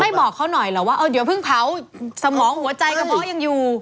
บอกเขาหน่อยเหรอว่าเออเดี๋ยวเพิ่งเผาสมองหัวใจกระเพาะยังอยู่